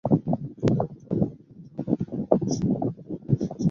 কিন্তু আমি যখন হিন্দু হয়ে জন্মেছি, তখন তো সিংহদ্বার পার হয়ে এসেছি।